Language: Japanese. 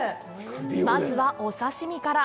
まずは、お刺身から。